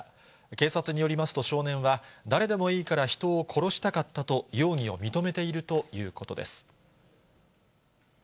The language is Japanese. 警察によりますと、少年は誰でもいいから人を殺したかったと、容疑を認めているということです。